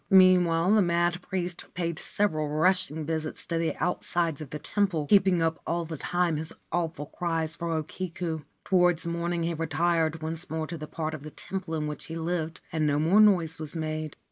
Meanwhile the mad priest paid several rushing visits to the outsides of the temple, keeping up all the time his awful cries for O Kiku. Towards morning he retired once more to the part of the temple in which he lived, and no more noise was made.